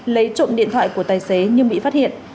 lấy trộm điện thoại của tài xế nhưng bị phát hiện